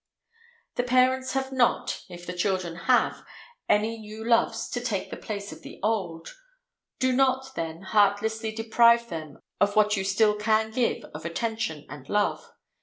The parents have not, if the children have, any new loves to take the place of the old. Do not, then, heartlessly deprive them of what you still can give of attention and love.